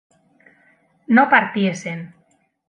no partiesen